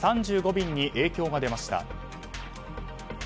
便に影響が出ました。